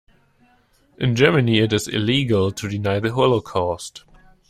In Germany it is illegal to deny the holocaust.